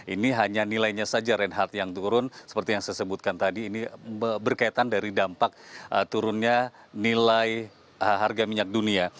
ini hanya nilainya saja reinhardt yang turun seperti yang saya sebutkan tadi ini berkaitan dari dampak turunnya nilai harga minyak dunia